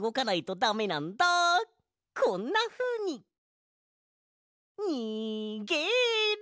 こんなふうに！にげろ！